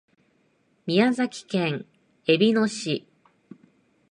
宮崎県えびの市